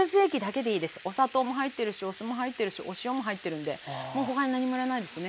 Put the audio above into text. お砂糖も入ってるしお酢も入ってるしお塩も入ってるんでもう他に何もいらないですね。